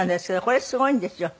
これすごいんですよ。